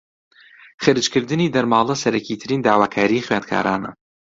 خەرجکردنی دەرماڵە سەرەکیترین داواکاریی خوێندکارانە